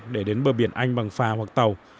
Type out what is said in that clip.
để đến bờ biển anh bằng phà hoặc tàu